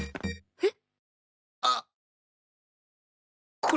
えっ？